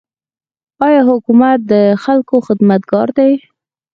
آیا حکومت د خلکو خدمتګار دی؟